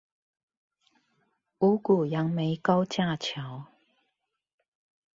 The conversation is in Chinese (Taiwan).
五股楊梅高架橋